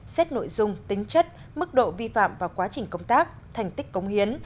xét nội dung tính chất mức độ vi phạm và quá trình công tác thành tích cống hiến